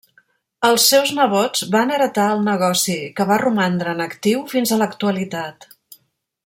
Els seus nebots van heretar el negoci, que va romandre en actiu fins a l'actualitat.